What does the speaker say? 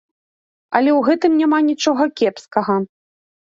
Але ў гэтым няма нічога кепскага.